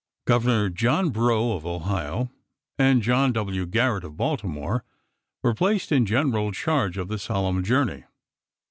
Governor John Brough of Ohio and John W. Gar rett of Baltimore were placed in general charge of the solemn journey.